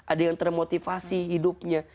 ada yang termotivasi hidupnya